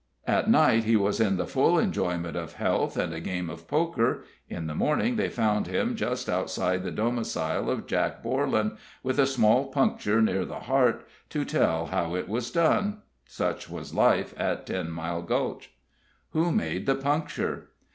At night he was in the full enjoyment of health and a game of poker; in the morning they found him just outside the domicile of Jack Borlan, with a small puncture near the heart to tell how it was done. Such was life at Ten Mile Gulch. Who made the puncture?